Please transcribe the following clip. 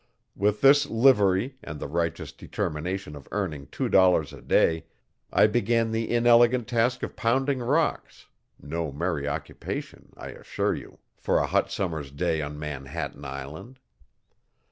With this livery and the righteous determination of earning two dollars a day, I began the inelegant task of 'pounding rocks no merry occupation, I assure you, for a hot summer's day on Manhattan Island.